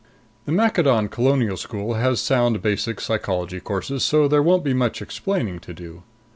The Maccadon Colonial School has sound basic psychology courses, so there won't be much explaining to do.